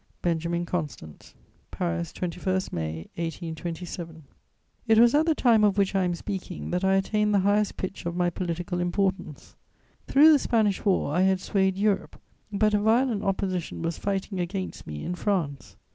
"BENJAMIN CONSTANT. "PARIS, 21 May 1827." It was at the time of which I am speaking that I attained the highest pitch of my political importance. Through the Spanish War, I had swayed Europe; but a violent opposition was fighting against me in France.